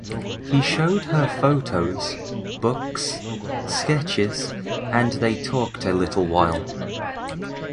He showed her photos, books, sketches, and they talked a little while.